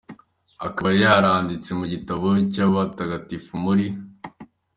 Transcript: Akaba yaranditswe mu gitabo cy’abatagatifu muri .